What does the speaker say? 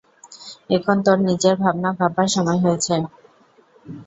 এখন তোর নিজের ভাবনা ভাববার সময় হয়েছে।